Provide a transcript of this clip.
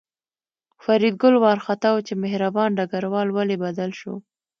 فریدګل وارخطا و چې مهربان ډګروال ولې بدل شو